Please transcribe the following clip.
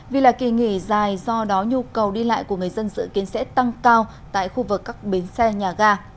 vì là kỳ nghỉ dài do đó nhu cầu đi lại của người dân dự kiến sẽ tăng cao tại khu vực các bến xe nhà ga